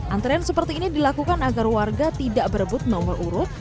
antrean seperti ini dilakukan agar warga tidak berebut nomor urut